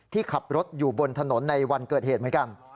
ที่ขับรถอยู่บนถนนในวันเกิดเหตุเหมือนกัน